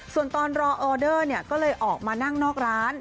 ส่วนตอนรอออเดอร์ก็เลยออกมานั่งนอกร้าน